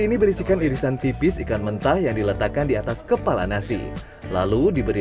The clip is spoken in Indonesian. ini berisikan irisan tipis ikan mentah yang diletakkan di atas kepala nasi lalu diberi